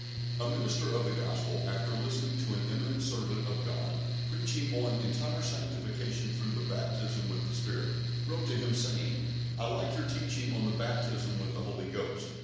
A MINISTER of the Gospel, after listening to an eminent servant of God preaching on entire sanctification through the baptism with the Spirit, wrote to him, saying: "I like your teaching on the baptism with the Holy Ghost.